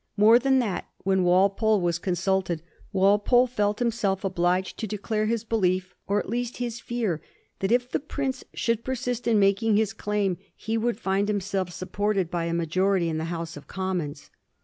More than that, when Walpole was consulted Walpole f^lt himself obliged to declare his belief, or at least his fear, that if the prince should persist in making his claim he would find himself supported by a majonty in the House of Commons.